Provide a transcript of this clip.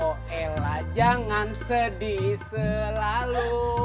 oh ella jangan sedih selalu